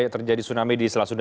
terjadi tsunami di sela sunda